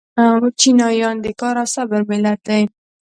چینایان د کار او صبر ملت دی.